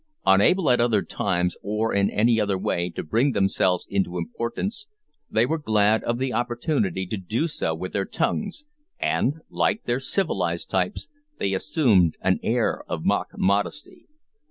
Unable at other times, or in any other way, to bring themselves into importance, they were glad of the opportunity to do so with their tongues, and, like their civilised types, they assumed an air of mock modesty.